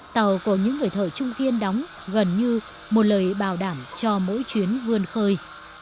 tàu của những người thợ trung kiên đóng gần như một lời bảo đảm cho mỗi chuyến vươn khơi